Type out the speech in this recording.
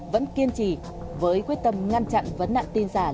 vẫn kiên trì với quyết tâm ngăn chặn vấn nạn tin giả